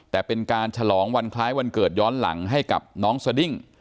แต่เป็นการฉลองวันคล้ายวันเกิดย้อนหลังให้กับน้องสดิ้ง